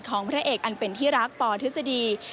พระเอกอันเป็นที่รักปทฤษฎี